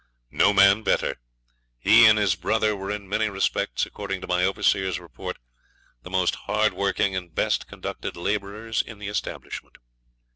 'No man better; he and his brother were in many respects, according to my overseer's report, the most hard working and best conducted labourers in the establishment.'